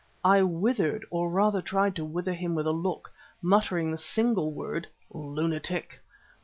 I withered, or rather tried to wither him with a look, muttering the single word: "Lunatic."